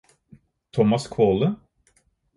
Thomas Kvåle